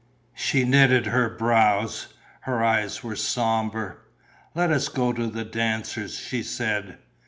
She knitted her brows; her eyes were sombre. "Let us go to the dancers," she said.